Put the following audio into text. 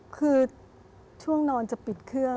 คือช่วงนอนจะปิดเครื่อง